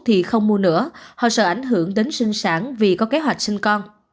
thì không mua nữa họ sợ ảnh hưởng đến sinh sản vì có kế hoạch sinh con